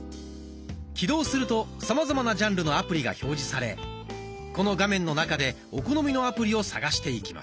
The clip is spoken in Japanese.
起動するとさまざまなジャンルのアプリが表示されこの画面の中でお好みのアプリを探していきます。